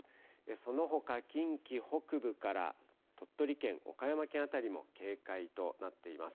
そのほか近畿北部から鳥取県、岡山県辺りも警戒となっています。